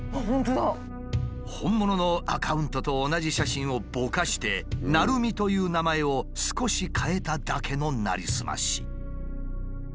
本物のアカウントと同じ写真をぼかして「成三」という名前を少し変えただけのなりすまし。